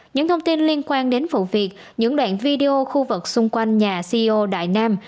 những thông tin liên quan đến vụ việc những đoạn video khu vực xung quanh nhà ceo đại nam